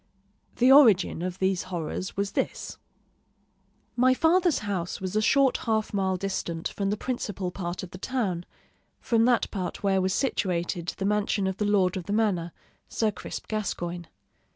The origin of these horrors was this: My father's house was a short half mile distant from the principal part of the town, from that part where was situated the mansion of the lord of the manor, Sir Crisp Gascoigne.